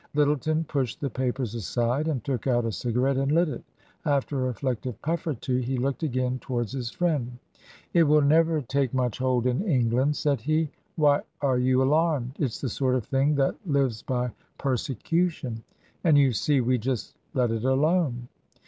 Lyttleton pushed the papers aside and took out a cigarette and lit it. After a reflective puff or two he looked again towards his friend. " It will never take much hold in England," said he. Why are you alarmed ? It's the sort of thing that lives by persecution. And you see we just let it alone."